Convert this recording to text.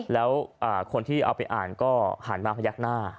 แล้วคนที่เอาไปอ่านก็หันมาพยักหน้า